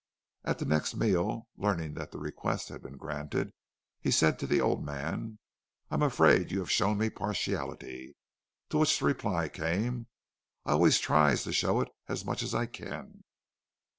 At the next meal, learning that the request had been granted, he said to the old man, "I'm afraid you have shown me partiality"; to which the reply came, "I always tries to show it as much as I kin."